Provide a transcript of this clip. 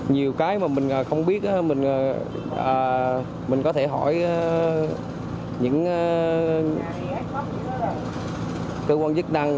nhiều cái mà mình không biết mình có thể hỏi những cơ quan chức năng